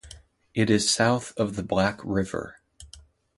It is south of the Black River.